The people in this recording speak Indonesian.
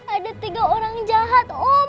ada tiga orang jahat